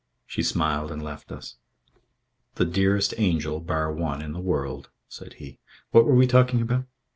She smiled and left us. "The dearest angel, bar one, in the world." said he. "What were we talking about?"